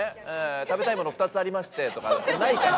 「食べたいもの２つありまして」とかないから！